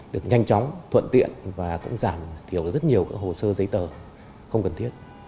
được nhanh chóng thuận tiện và cũng giảm thiểu rất nhiều hồ sơ giấy tờ không cần thiết